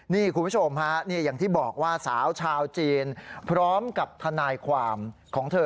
นี่คุณผู้ชมฮะอย่างที่บอกว่าสาวชาวจีนพร้อมกับทนายความของเธอ